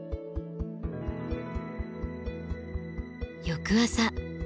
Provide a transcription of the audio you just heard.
翌朝。